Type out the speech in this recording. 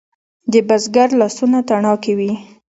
د بزګر لاسونه تڼاکې وي.